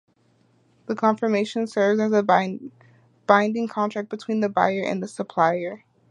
This confirmation serves as a binding contract between the buyer and the supplier.